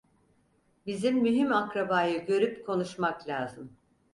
Bizim mühim akrabayı görüp konuşmak lazım.